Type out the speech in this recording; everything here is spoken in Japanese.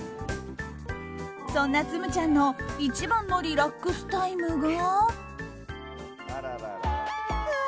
そんな紬ちゃんの一番のリラックスタイムが。